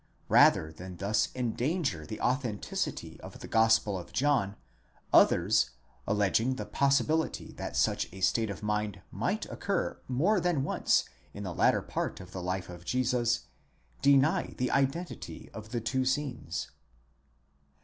Rather than thus endanger the authenticity of the Gospel of John, others, alleging the possibility that such a state of mind might occur more than once in the latter part of the life of Jesus, deny the identity of the two scenes.